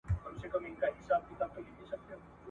بوزه چي هم پرېوځي ځای په پښو پاکوي ..